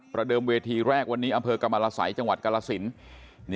เดิมเวทีแรกวันนี้อำเภอกรรมรสัยจังหวัดกรสิน